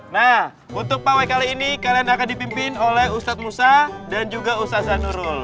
nah untuk pawai kali ini kalian akan dipimpin oleh ustadz musa dan juga usasa nurul